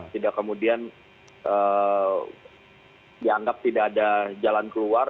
tidak kemudian dianggap tidak ada jalan keluar